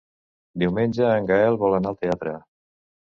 Diumenge en Gaël vol anar al teatre.